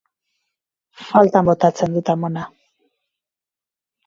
Faltan botatzen dut amona.